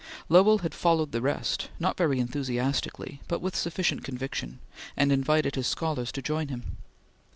Lowell had followed the rest, not very enthusiastically, but with sufficient conviction, and invited his scholars to join him.